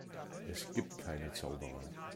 Es gibt keine Zauberer.